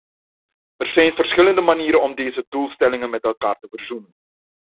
Er zijn verschillende manieren om deze doelstellingen met elkaar te verzoenen.